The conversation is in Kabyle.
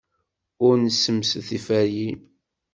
Ur tessemsed tiferyin.